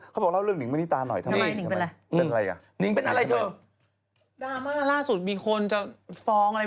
เค้าบอกเล่าเรื่องหนึ่งเบนี่ตาหน่อยทำไมว่า